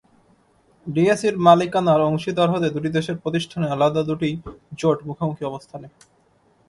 ডিএসইর মালিকানার অংশীদার হতে দুটি দেশের প্রতিষ্ঠানের আলাদা দুটি জোট মুখোমুখি অবস্থানে।